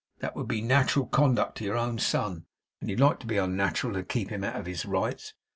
That would be natural conduct to your own son, and you like to be unnatural, and to keep him out of his rights.